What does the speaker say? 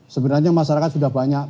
sebenarnya masyarakat sudah banyak